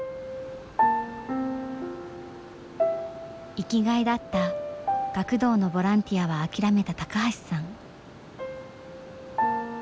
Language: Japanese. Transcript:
生きがいだった学童のボランティアは諦めた高橋さん。